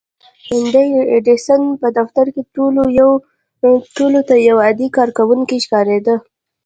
دی د ايډېسن په دفتر کې ټولو ته يو عادي کارکوونکی ښکارېده.